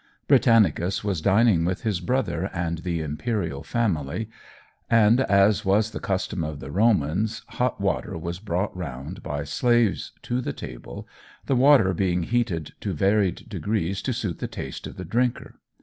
Britannicus was dining with his brother and the Imperial family, and, as was the custom of the Romans, hot water was brought round by slaves to the table, the water being heated to varied degrees to suit the taste of the drinker.